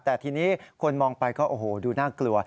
แต่ทีนี้คนมองไปก็โอ้โหดูน่ากลัว